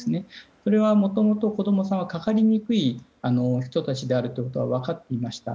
それは、もともと子供さんはかかりにくい人たちであることが分かっていました。